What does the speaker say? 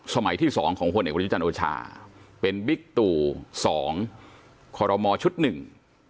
สมัยที่สองของพลเอกประยุจันทร์โอชาเป็นบิ๊กตู่สองคอรมอชุดหนึ่ง